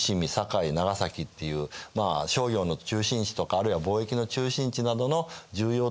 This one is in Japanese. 長崎っていうまあ商業の中心地とかあるいは貿易の中心地などの重要都市をですね